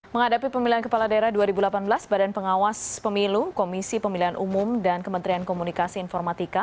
menghadapi pemilihan kepala daerah dua ribu delapan belas badan pengawas pemilu komisi pemilihan umum dan kementerian komunikasi informatika